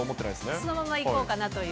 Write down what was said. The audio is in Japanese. そのままいこうかなという。